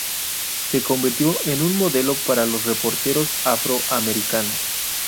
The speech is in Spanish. Se convirtió en un modelo para los reporteros afro Americanos.